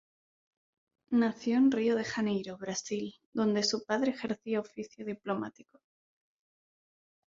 Nació en Río de Janeiro, Brasil, donde su padre ejercía oficio diplomático.